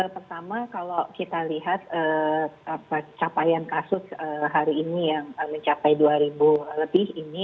pertama kalau kita lihat capaian kasus hari ini yang mencapai dua ribu lebih ini